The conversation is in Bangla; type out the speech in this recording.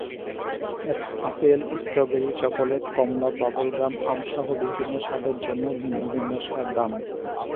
আপেল, স্ট্রবেরি, চকোলেট, কমলা, বাবলগাম, আমসহ বিভিন্ন স্বাদের জন্য ভিন্ন ভিন্ন দাম।